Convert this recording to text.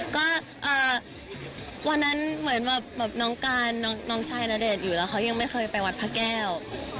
ก็วันนั้นเหมือนแบบน้องการน้องชายณเดชน์อยู่แล้วเขายังไม่เคยไปวัดพระแก้ว